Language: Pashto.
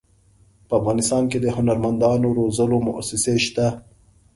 په افغانستان کې د هنرمندانو روزلو مؤسسې شته.